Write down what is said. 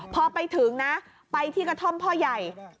พอไปถึงนะไปที่กระท่อมพ่อใหญ่